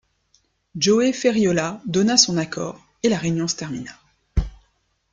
Joe Ferriolla donna son accord et la réunion se termina.